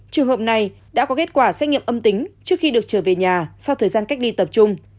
trường hợp này đã có kết quả xét nghiệm âm tính trước khi được trở về nhà sau thời gian cách ly tập trung